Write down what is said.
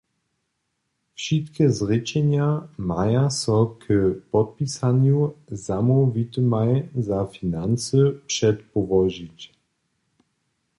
Wšitke zrěčenja maja so k podpisanju zamołwitymaj za financy předpołožić.